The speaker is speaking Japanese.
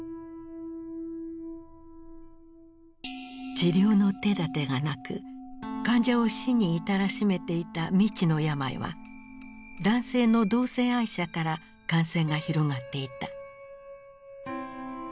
治療の手だてがなく患者を死に至らしめていた未知の病は男性の同性愛者から感染が広がっていた。